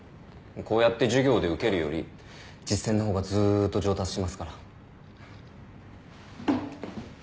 こうやって授業で受けるより実践の方がずーっと上達しますから。